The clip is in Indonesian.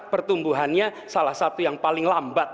pertumbuhannya salah satu yang paling lambat